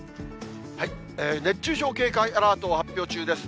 熱中症警戒アラートが発表中です。